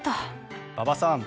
馬場さん